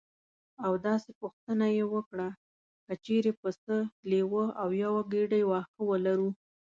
او داسې پوښتنه یې وکړه: که چېرې پسه لیوه او یوه ګېډۍ واښه ولرو.